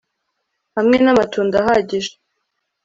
hamwe namatunda ahagije